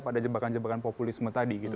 pada jebakan jebakan populisme tadi gitu